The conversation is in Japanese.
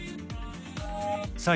さあ